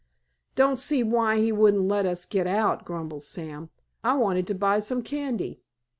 "Don't see why he wouldn't let us get out," grumbled Sam, "I wanted to buy some candy."